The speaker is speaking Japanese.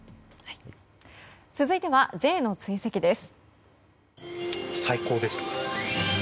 続いてはＪの追跡です。